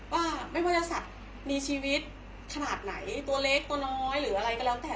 ว่าไม่ว่าจะสัตว์มีชีวิตขนาดไหนตัวเล็กตัวน้อยหรืออะไรก็แล้วแต่